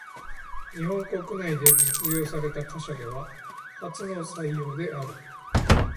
日本国内で実用された貨車では初の採用である。